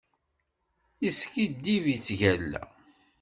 Yeskiddib, yettgalla.